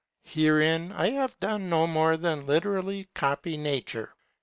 Herein I have done no more than literally copy nature.